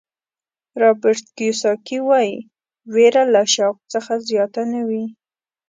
رابرټ کیوساکي وایي وېره له شوق څخه زیاته نه وي.